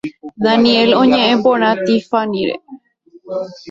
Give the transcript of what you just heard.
Daniel oñe’ẽ porã Tiffanyre.